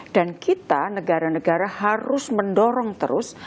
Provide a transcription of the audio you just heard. dan kita negara negara harus mendorong terus